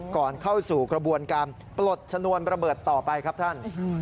ก่อนเข้าสู่กระบวนการปลดชนวนระเบิดต่อไปครับท่าน